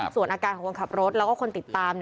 ส่วนอาการของคนขับรถแล้วก็คนติดตาม